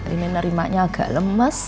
ini nerimanya agak lemes